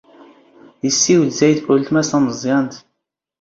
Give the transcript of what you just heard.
ⵉⵙⵙⵉⵡⴷ ⵣⴰⵢⴷ ⵓⵍⵜⵎⴰⵙ ⵜⴰⵎⵥⵥⵢⴰⵏⵜ.